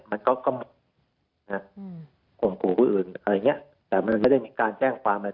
มันก็ก็หมดข่มขู่ผู้อื่นอะไรอย่างเงี้ยแต่มันไม่ได้มีการแจ้งความอะไร